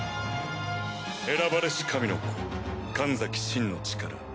選ばれし神の子神崎シンの力。